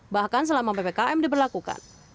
bahkan selama ppkm diberlakukan